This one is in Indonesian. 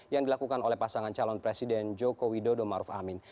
yang dilakukan oleh pasangan calon presiden jokowi dodo ma'ruf amin